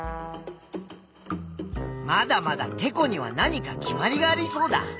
まだまだてこには何か決まりがありそうだ。